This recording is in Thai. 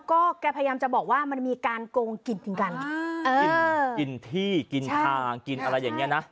ก็แกพยายามจะบอกว่ามันมีการโกงกินกันกินกินที่กินทางกินอะไรอย่างเงี้นะ